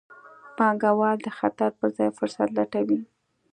پانګوال د خطر پر ځای فرصت لټوي.